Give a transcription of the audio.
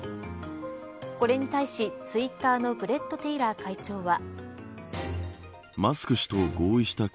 これに対しツイッターのブレット・テイラー会長は。